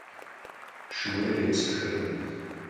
Шууейр епсыхыркъым.